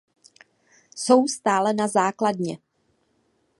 Jsou stále na základně.